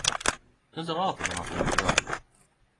Eg synest det er rart at han har så lite kontakter.